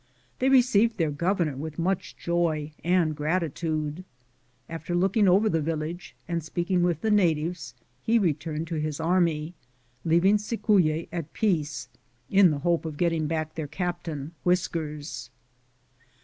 They received their gover nor with much joy and gratitude. After looking over the village and speaking with the natives, he returned to his army, leaving Cicuye at peace, in the hope of getting back their captain Whjskers.